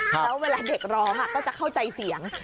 แล้วเวลาเด็กร้องก็จะเข้าใจเสียง